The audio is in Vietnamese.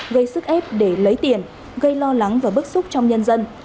gây sức ép để lấy tiền gây lo lắng và bức xúc trong nhân dân